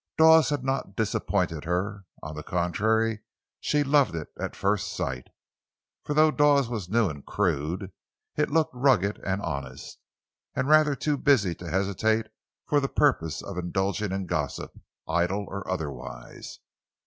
Dawes had not disappointed her; on the contrary, she loved it at first sight. For though Dawes was new and crude, it looked rugged and honest—and rather too busy to hesitate for the purpose of indulging in gossip—idle or otherwise.